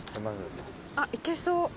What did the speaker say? あっいけそう。